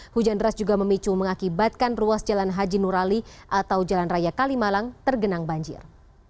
hujan deras juga memicu mengakibatkan ruas jalan haji nurali atau jalan raya kalimalang tergenang banjir